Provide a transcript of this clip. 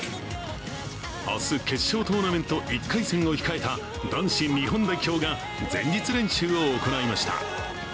明日、決勝トーナメント１回戦を控えた男子日本代表が前日練習を行いました。